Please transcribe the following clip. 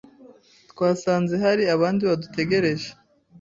Twasanze hari abandi badutegereje,